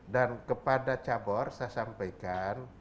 dan kepada cabar saya sampaikan